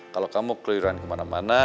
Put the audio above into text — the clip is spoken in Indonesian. kalau kamu keliruan kemana mana